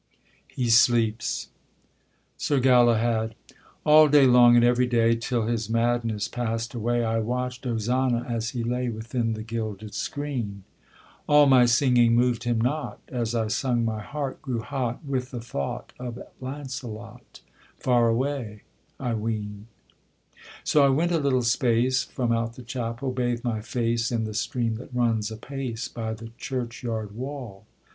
[He sleeps. SIR GALAHAD. All day long and every day, Till his madness pass'd away, I watch'd Ozana as he lay Within the gilded screen. All my singing moved him not; As I sung my heart grew hot, With the thought of Launcelot Far away, I ween. So I went a little space From out the chapel, bathed my face In the stream that runs apace By the churchyard wall.